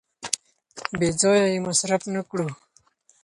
بې ځایه یې مصرف نه کړو.